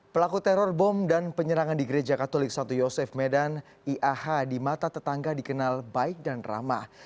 pelaku teror bom dan penyerangan di gereja katolik satu yosef medan iah di mata tetangga dikenal baik dan ramah